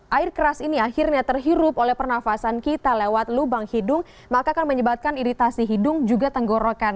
dan jika air keras ini akhirnya terhirup oleh pernafasan kita lewat lubang hidung maka akan menyebabkan iritasi hidung juga tenggorokan